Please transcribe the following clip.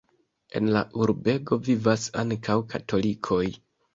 En la urbego vivas ankaŭ katolikoj.